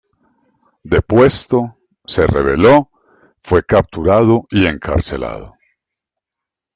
Depuesto, se rebeló, fue capturado y encarcelado.